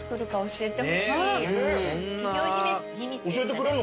教えてくれんのかな。